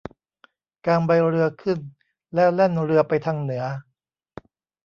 กางใบเรือขึ้นแล้วแล่นเรือไปทางเหนือ